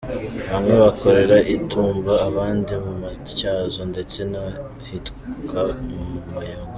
Bamwe bakorera i Tumba, abandi mu Matyazo ndetse n’ahitwa mu Muyogoro.